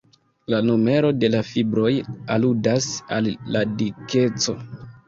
La numero de la fibroj aludas al la dikeco.